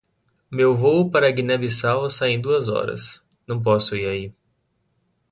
Meu voo para Guiné-Bissau sai em duas horas, não posso ir aí.